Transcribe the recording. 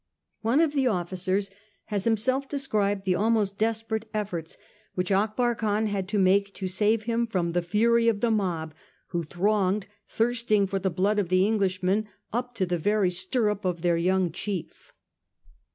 One of the officers has himself described the almost desperate efforts which Akbar Khan had to make to save him from the fury of the mob, who thronged thirsting for the blood of the Englishman up to the very stirrup of their young chief.